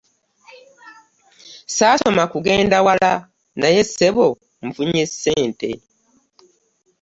Ssaasoma kugenda wala naye ssebo nfunye ssente.